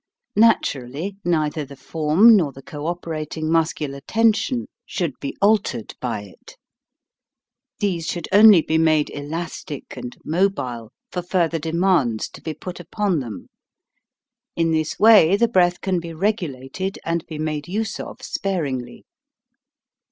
Naturally neither the form nor the cooperating muscular tension should be altered D 33 34 HOW TO SING by it. These should only be made elastic and mobile for further demands to be put upon them. In this way the breath can be reg ulated and be made use of sparingly.